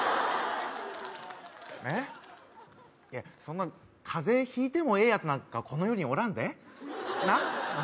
えいやそんな風邪ひいてもええやつなんかこの世におらんでなあ